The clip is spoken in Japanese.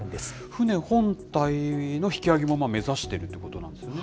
船本体の引き揚げも目指しているということなんですね？